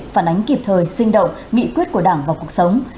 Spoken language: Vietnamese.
phản ánh kịp thời sinh động nghị quyết của đảng vào cuộc sống